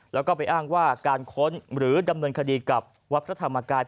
แล้วก็ไปอ้างว่าการค้นหรือดำเนินคดีกับวัดพระธรรมกาย